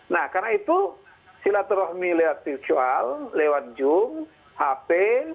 nah karena itu silaturahmi lewat visual lewat jum hp